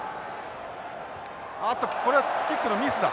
あっとこれはキックのミスだ。